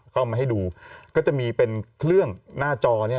ก็จะมาให้ดูก็จะมีเป็นเครื่องหน้าจอ